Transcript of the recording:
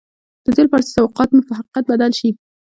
د دې لپاره چې توقعات مو په حقیقت بدل شي